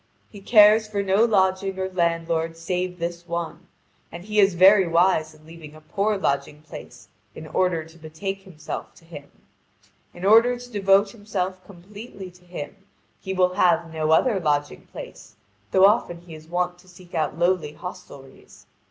He cares for no lodging or landlord save this one, and he is very wise in leaving a poor lodging place in order to betake himself to him. In order to devote himself completely to him, he will have no other lodging place, though often he is wont to seek out lowly hostelries.